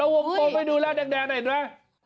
หมดไปดูแล้วแดงแดงหน่อย